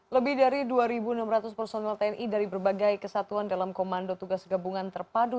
lebih dari dua enam ratus personel tni dari berbagai kesatuan dalam komando tugas gabungan terpadu